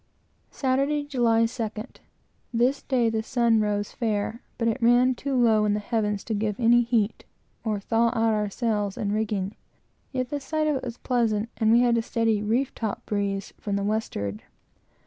Saturday, July 2nd. This day the sun rose fair, but it ran too low in the heavens to give any heat, or thaw out our sails and rigging; yet the sight of it was pleasant; and we had a steady "reef topsail breeze" from the westward.